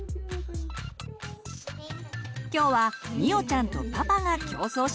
今日はみおちゃんとパパが競争します！